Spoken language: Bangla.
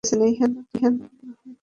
ইহা নূতন রূপ গ্রহণ করে।